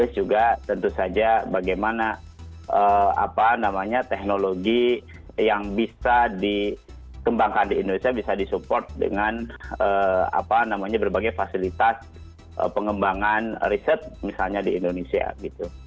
juga tentu saja bagaimana teknologi yang bisa dikembangkan di indonesia bisa disupport dengan berbagai fasilitas pengembangan riset misalnya di indonesia gitu